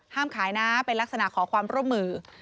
ห้ามขายนะไปลักษณะขอความร่วมมือ